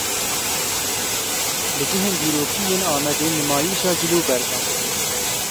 Li cihên dîrokî yên Amedê nimayişa cilûbergan.